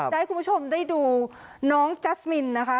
ให้คุณผู้ชมได้ดูน้องจัสมินนะคะ